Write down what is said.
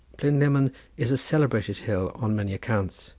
Plynlimmon is a celebrated hill on many accounts.